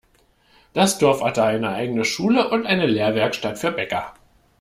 Das Dorf hatte eine eigene Schule und eine Lehrwerkstatt für Bäcker.